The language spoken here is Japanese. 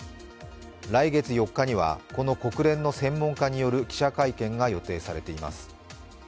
来月４日にはこの国連の専門家による記者会見が予定されています。